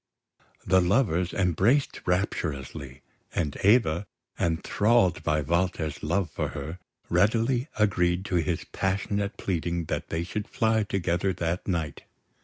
The lovers embraced rapturously; and Eva, enthralled by Walter's love for her, readily agreed to his passionate pleading that they should fly together that night.